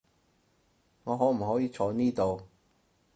我可唔可以坐呢度？